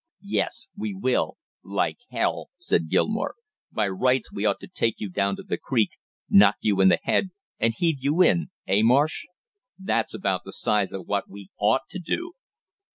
"Yes, we will like hell!" said Gilmore. "By rights we ought to take you down to the creek, knock you in the head and heave you in eh, Marsh? That's about the size of what we ought to do!"